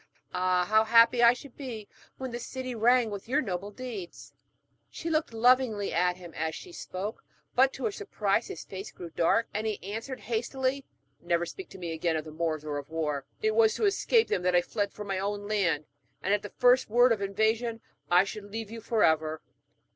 Ah, how happy I should be when the city rang with your noble deeds!' [Illustration: SAMBA FOUND SKULKING BY HIS WIFE] She looked lovingly at him as she spoke; but, to her surprise, his face grew dark, and he answered hastily: 'Never speak to me again of the Moors or of war. It was to escape from them that I fled from my own land, and at the first word of invasion I should leave you for ever.'